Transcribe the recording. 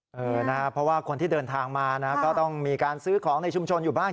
เพราะว่าคนที่เดินทางมานะก็ต้องมีการซื้อของในชุมชนอยู่บ้าง